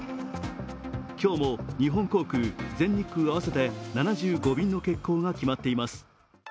今日も日本航空・全日空合わせて７５便の欠航が決まっています。